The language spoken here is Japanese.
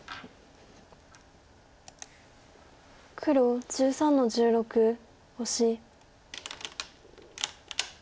黒１３の十六オシ。